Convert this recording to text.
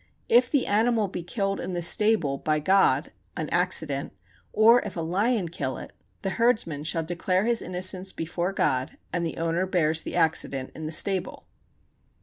If the animal be killed in the stable by God [an accident], or if a lion kill it, the herdsman shall declare his innocence before God, and the owner bears the accident in the stable.